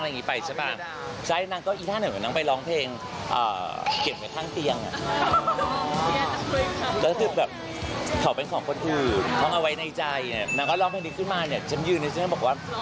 แล้วก็ร้องเพลงนี้ขึ้นมาเนี่ยฉันยืนแล้วฉันก็บอกว่า